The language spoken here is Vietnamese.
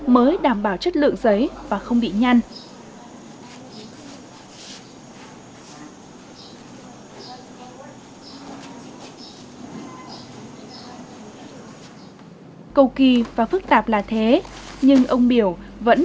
mới đảm bảo chất lượng giấy và không bị nhăn cầu kỳ và phức tạp là thế nhưng ông biểu vẫn